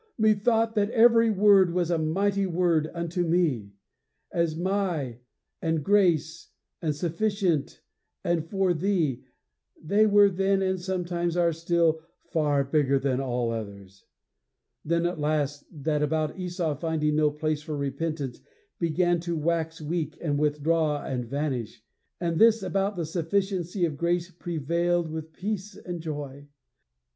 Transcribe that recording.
methought that every word was a mighty word unto me; as My and grace, and sufficient, and for thee; they were then, and sometimes are still, far bigger than all others. Then, at last, that about Esau finding no place for repentance began to wax weak and withdraw and vanish, and this about the sufficiency of grace prevailed with peace and joy.'